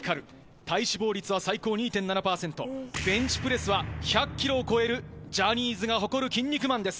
体脂肪率は最高２．７％、ベンチプレスは１００キロを超えるジャニーズが誇るキン肉マンです。